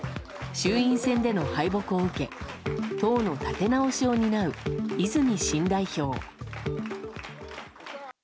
衆院選での敗北を受け党の立て直しを担う泉新代表。